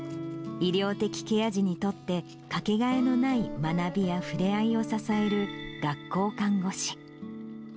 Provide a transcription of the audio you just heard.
医療的ケア児にとって、掛けがえのない学びやふれあいを支える学校看護師。